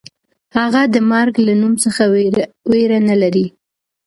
هغه د مرګ له نوم څخه وېره نه لري.